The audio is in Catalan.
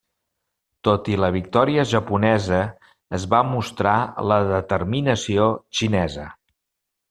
Tot i la victòria japonesa, es va mostrar la determinació xinesa.